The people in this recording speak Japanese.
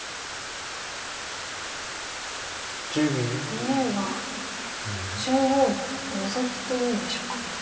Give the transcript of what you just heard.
ＡＩは中央にノゾキというんでしょうか。